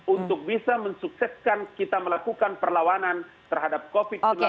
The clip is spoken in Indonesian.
untuk bisa mensukseskan kita melakukan perlawanan terhadap covid sembilan belas